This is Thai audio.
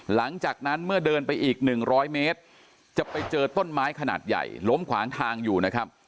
หลังจากนั้นเมื่อเดินไปอีก๑๐๐เมตรจะไปเจอต้นไม้ขนาดใหญ่ล้มขวางทางอยู่นะครับ